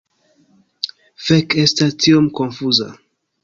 Fek, estas tiom konfuza…